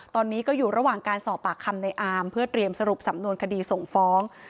ตอนนี้ก็อยู่ระหว่างการสอบปากคำในอาร์มเพื่อเตรียมสรุปสำนวนคดีส่งฟ้อง